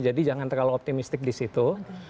jadi jangan terlalu optimistik di situ